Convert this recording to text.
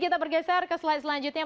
kita bergeser ke slide selanjutnya